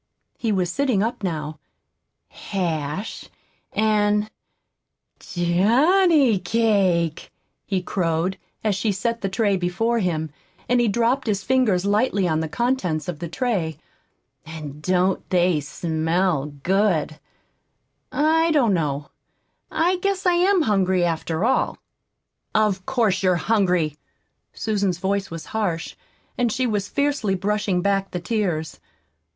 He was sitting up now. "Hash and johnny cake!" he crowed, as she set the tray before him, and he dropped his fingers lightly on the contents of the tray. "And don't they smell good! I don't know I guess I am hungry, after all." "Of course you're hungry!" Susan's voice was harsh, and she was fiercely brushing back the tears.